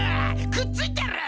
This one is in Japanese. くっついてる？